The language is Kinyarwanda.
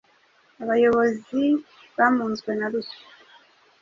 Abayobozi bamunzwe na ruswa,